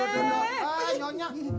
aduh aduh aduh